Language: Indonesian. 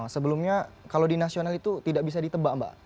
sebelumnya kalau di nasional itu tidak bisa ditebak mbak